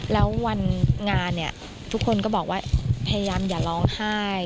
และวันงานเนี่ยทุกคนบอกว่าเปยับอย่าล้องไห้